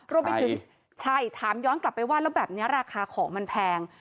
รวมไปถึงใช่ถามย้อนกลับไปว่าแล้วแบบนี้ราคาของมันแพง